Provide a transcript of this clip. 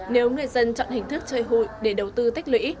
nếu người dân chọn hình thức chơi hụi để đầu tư tích lũy